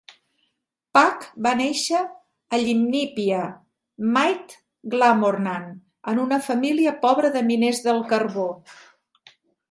Pugh va néixer a Llwynypia, Mid Glamorgan, en una família pobra de miners del carbó.